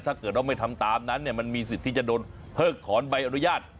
ถ้าเราไม่ทำตามนั้นเนี่ยมันมีสิทธิจะโดนเพิกขอนใบอนุญาต